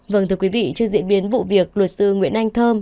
vâng thưa quý vị trước diễn biến vụ việc luật sư nguyễn anh thơm